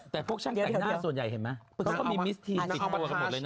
แต่พวกช่างแต่งหน้าส่วนใหญ่เห็นไหมเขาก็มีมิสทีนติดตัวกันหมดเลยนะ